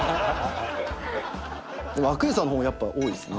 阿久悠さんの本やっぱ多いですね。